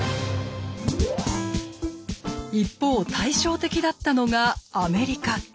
一方対照的だったのがアメリカ。